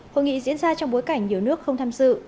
hội nghị diễn ra trong bối cảnh nhiều nước không tham dự